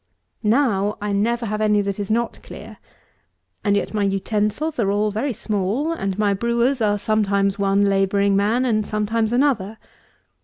Now I never have any that is not clear. And yet my utensils are all very small; and my brewers are sometimes one labouring man, and sometimes another.